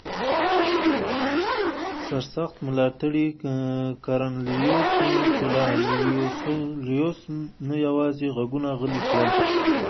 سرسخت ملاتړي کارنلیوس سولا لوسیوس نه یوازې غږونه غلي کړل